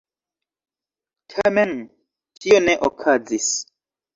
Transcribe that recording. Tamen tio ne okazis.